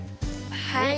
はい。